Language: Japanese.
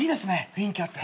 雰囲気あって。